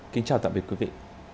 kính chào tạm biệt quý vị